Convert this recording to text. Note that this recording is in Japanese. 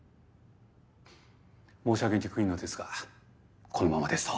申し上げにくいのですがこのままですと。